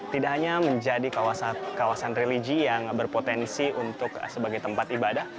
tidak hanya menjadi kawasan religi yang berpotensi untuk sebagai tempat ibadah